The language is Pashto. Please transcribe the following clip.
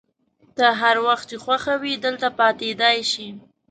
ته هر وخت چي خوښه وي دلته پاتېدای شې.